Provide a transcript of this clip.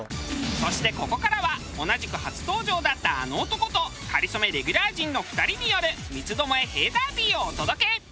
そしてここからは同じく初登場だったあの男と『かりそめ』レギュラー陣の２人による三つ巴へぇダービーをお届け！